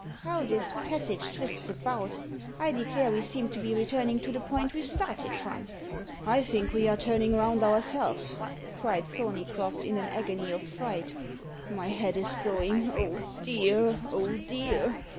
How this passage twists about! I declare we seem to be returning to the point we started from." "I think we are turning round ourselves," cried Thorneycroft, in an agony of fright. "My head is going. Oh dear! oh dear!"